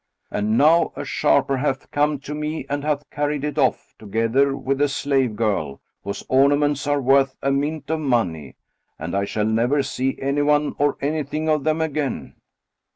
And now a sharper hath come to me and hath carried it off, together with a slave girl whose ornaments are worth a mint of money, and I shall never see anyone or anything of them again!"